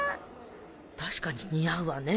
確かに似合うわね。